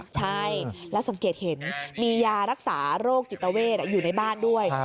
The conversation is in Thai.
ใช่แล้วสังเกตเห็นมียารักษาโรคจิตเวทอยู่ในบ้านด้วย